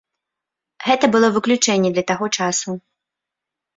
Гэта было выключэнне для таго часу.